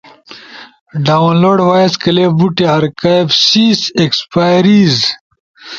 ڈاؤنلوڈ، وائس کلپس بوٹے ارکائیو سیز، ایکسپائیریز